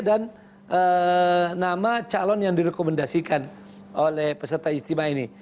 dan nama calon yang direkomendasikan oleh peserta istimewa ini